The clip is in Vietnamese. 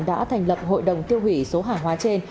đã thành lập hội đồng tiêu hủy số hàng hóa trên